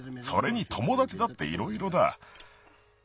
それにともだちだっていろいろだ。